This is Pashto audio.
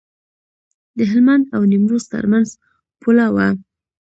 د هلمند او نیمروز ترمنځ پوله وه.